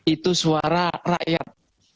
itu suara rakyat